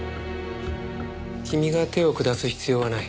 君が手を下す必要はない。